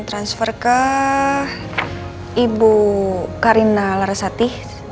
transfer ke ibu karina larasati